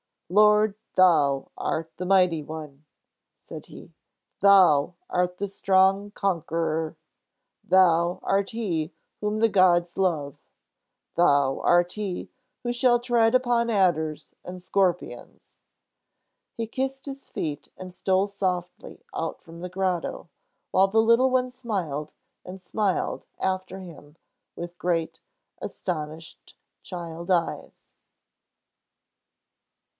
"Lord, thou art the Mighty One!" said he. "Thou art the strong Conqueror! Thou art He whom the gods love! Thou art He who shall tread upon adders and scorpions!" He kissed his feet and stole softly out from the grotto, while the little one smiled and smiled after him with great, astonished child eyes.